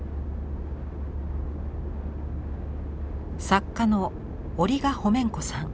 作家のオリガホメンコさん。